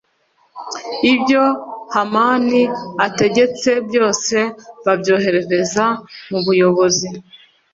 ibyo hamani ategetse byose babyoherereza mubuyobozi.